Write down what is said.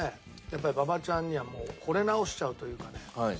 やっぱり馬場ちゃんにはもうほれ直しちゃうというかね。